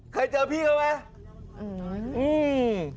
ใครเจอพี่เค้าไหม